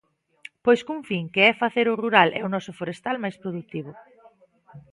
Pois cun fin, que é facer o rural e o noso forestal máis produtivo.